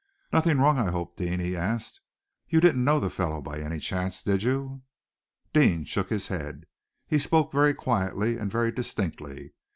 "Nothing wrong, I hope, Deane?" he asked. "You didn't know the fellow, by any chance, did you?" Deane shook his head. He spoke very quietly and very distinctly.